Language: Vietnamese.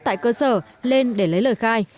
tại cơ sở lên để lấy lời khai